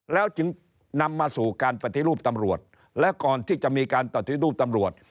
แล้วจึงนำมาสู่การปฏิรูปตำรวจและก่อนที่จะมีการปฏิรูปตำรวจ